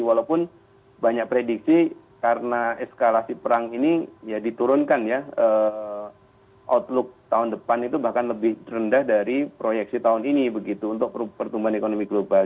walaupun banyak prediksi karena eskalasi perang ini ya diturunkan ya outlook tahun depan itu bahkan lebih rendah dari proyeksi tahun ini begitu untuk pertumbuhan ekonomi global